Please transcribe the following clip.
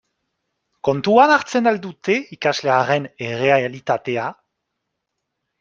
Kontuan hartzen al dute ikaslearen errealitatea?